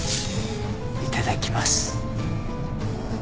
いただきます。